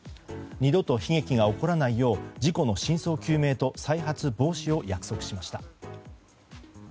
二度と悲劇が起こらないよう事故の真相究明と再発防止を約束しました。